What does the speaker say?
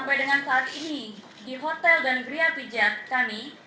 terima kasih terima kasih